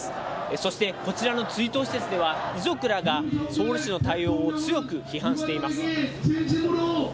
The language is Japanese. そして、こちらの追悼施設では、遺族らがソウル市の対応を強く批判しています。